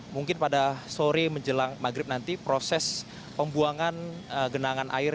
mungkin pada sore menjelang maghrib nanti proses pembuangan genangan air